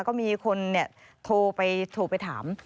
ก็มีคนโทรไปถาม